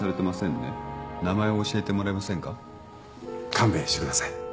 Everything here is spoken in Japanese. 勘弁してください。